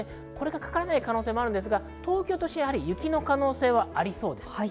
かからない可能性もあるんですが、東京都心も雪の可能性はありそうです。